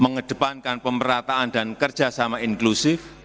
mengedepankan pemerataan dan kerjasama inklusif